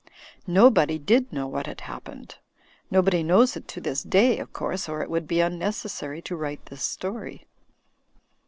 Nobody did know what had hap pened; nobody knows it to this day, of course, or it would be unnecessary to write this story.